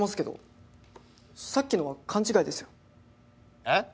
えっ？